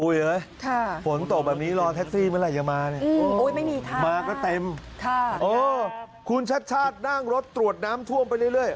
อุ้ยเอาะฝนโต่แบบนี้รอแท็กซี่เมื่อไรยังมาเนี้ยโอ้ยไม่มีทางมาก็เต็มคุณชัชชาตินั่งรถตรวจน้ำท่วมไปเรื่อย